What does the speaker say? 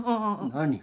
何？